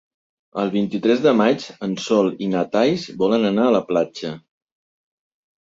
El vint-i-tres de maig en Sol i na Thaís volen anar a la platja.